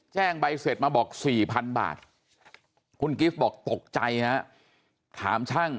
ใบเสร็จมาบอก๔๐๐๐บาทคุณกิฟต์บอกตกใจฮะถามช่าง